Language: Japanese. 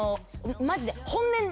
マジで。